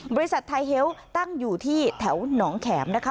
บริษัทไทยเฮลต์ตั้งอยู่ที่แถวหนองแขมนะคะ